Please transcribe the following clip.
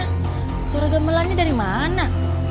kan suara gemelannya dari mana